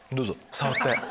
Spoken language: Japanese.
触って。